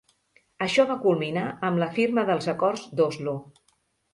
Això va culminar amb la firma dels Acords d'Oslo.